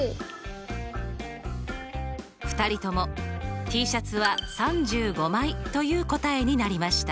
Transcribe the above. ２人ともＴシャツは３５枚という答えになりました。